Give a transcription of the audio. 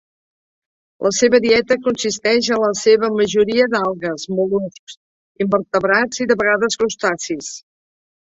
La seva dieta consisteix en la seva majoria d'algues, mol·luscs, invertebrats i de vegades crustacis.